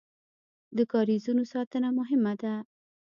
د کاریزونو ساتنه مهمه ده